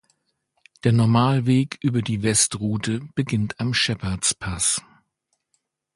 Der Normalweg über die West-Route beginnt am Shepherd's Pass.